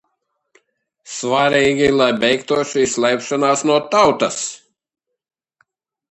Svarīgi, lai beigtos šī slēpšana no tautas.